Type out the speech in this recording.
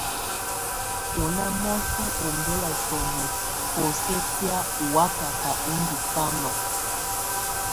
Ɔ́ ná mɔ̀sɔ ú ɔmbɛ̀la sɔ̀nɔ̀ bɔ̀osɛ tɛ̀á ɔ́ wàkaka ú ndù fama.